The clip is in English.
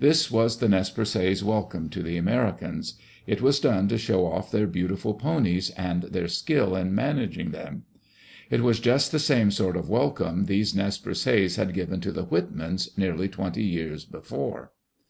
This was the Nez Perces welcome to the Americans. It was done to show off their beautiful ponies, and their skill in managing them. It was just the same sort of welcome these Nez Perces had given to the Whitmans, nearly twenty years before.